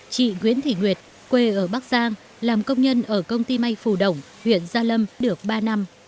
chị nguyễn thị nguyệt quê ở bắc giang làm công nhân ở công ty may phù đồng huyện gia lâm được ba năm